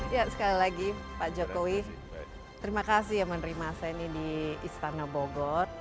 ya sekali lagi pak jokowi terima kasih ya menerima saya ini di istana bogor